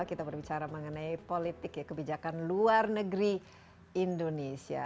kita berbicara mengenai politik ya kebijakan luar negeri indonesia